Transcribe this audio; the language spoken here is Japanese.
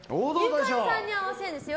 ユカイさんに合わせるんですよ。